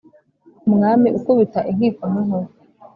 umwami ukubita inkiko nk' inkuba